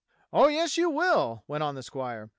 "Oh, yes, you will," went on the squire.